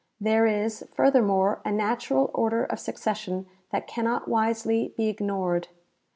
There is furthermore, a natural order of succession that cannot wisely be ignored.